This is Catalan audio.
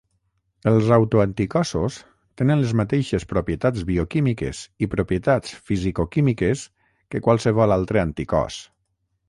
Els autoanticossos tenen les mateixes propietats bioquímiques i propietats fisicoquímiques que qualsevol altre anticòs.